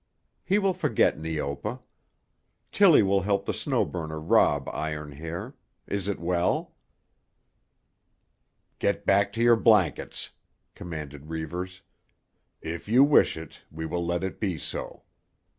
He will forget Neopa. Tillie will help the Snow Burner rob Iron Hair. Is it well?" "Get back to your blankets," commanded Reivers. "If you wish it, we will let it be so.